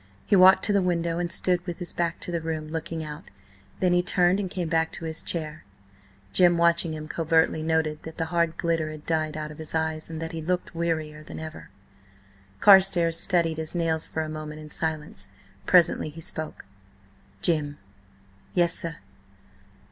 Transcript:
He walked to the window and stood with his back to the room, looking out, then he turned and came back to his chair. Jim, watching him covertly, noted that the hard glitter had died out of his eyes, and that he looked wearier than ever. Carstares studied his nails for a moment in silence. Presently he spoke: "Jim." "Yes, sir?"